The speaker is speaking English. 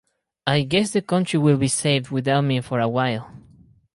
I guess the country will be saved without me for a while.